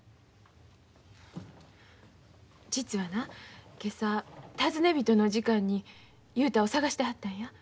実はな今朝尋ね人の時間に雄太を捜してはったんや。